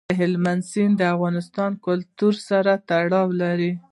هلمند سیند د افغان کلتور سره تړاو لري.